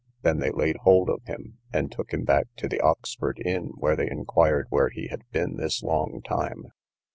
They then laid hold of him, and took him back to the Oxford Inn, where they inquired where he had been this long time.